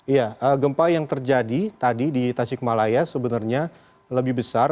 ya gempa yang terjadi tadi di tasikmalaya sebenarnya lebih besar